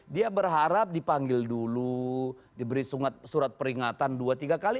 dia berharap dipanggil dulu diberi surat peringatan dua tiga kali